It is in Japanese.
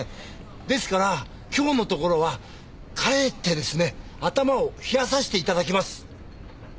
ですから今日のところは帰ってですね頭を冷やさせて頂きます！